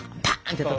って。